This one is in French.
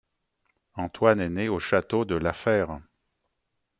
Antoine est né au château de La Fère.